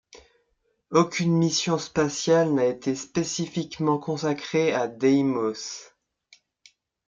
Aucune mission spatiale n'a été spécifiquement consacrée à Déimos.